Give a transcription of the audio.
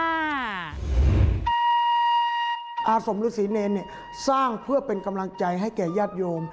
อาสมฤษีเนรสร้างเพื่อเป็นกำลังใจให้แก่ญาติโยม